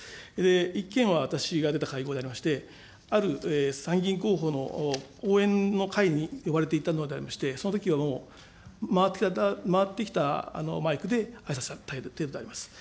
１件は私が出た会合でありまして、ある参議院候補の応援の会に呼ばれて行ったのでありまして、そのときは回ってきたマイクであいさつした程度であります。